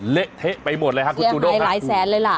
เละเทะไปหมดเลยครับคุณจูด้งครับเสียหายหลายแสนเลยล่ะ